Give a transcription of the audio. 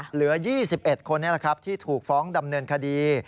เหลือ๒๑คนนี้แหละครับที่ถูกฟ้องดำเนินคดี